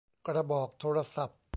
กระบอกโทรศัพท์